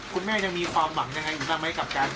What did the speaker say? คุณแม่ยังมีความหวังยังไงอยู่แน่ะกับการที่